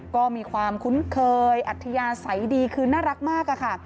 ก็มีความคุ้นเคยอัตเทียใสดีคือน่ารักมาก